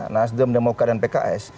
nasdem demokrat dan pks